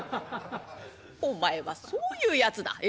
「お前はそういうやつだ。え？